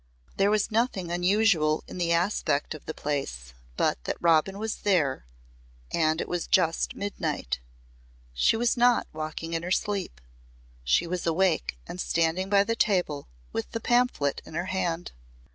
There was nothing unusual in the aspect of the place but that Robin was there and it was just midnight. She was not walking in her sleep. She was awake and standing by the table with the pamphlet in her hand.